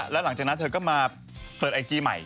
แล้วหลังจากนั้นเธอก็มาเปิดไอจีใหม่